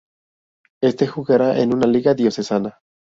Este jugará en una liga diocesana.